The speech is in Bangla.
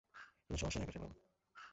কোনো সমস্যা নেই, পাটিল বাবু।